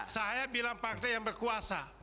saya bilang partai yang berkuasa